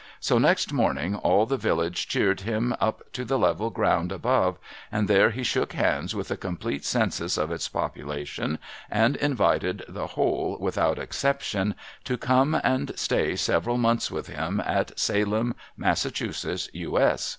So next morning all the village cheered him up to the level ground above, and there he shook hands with a complete Census of its population, and invited the whole, without exception, to come and stay several months with him at Salem, Mass., U.S.